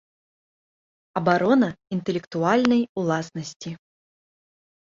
Абарона iнтэлектуальнай уласнасцi.